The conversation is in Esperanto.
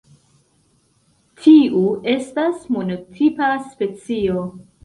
Tiu estas monotipa specio.